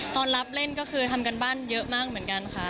ตอนรับเล่นก็คือทำการบ้านเยอะมากเหมือนกันค่ะ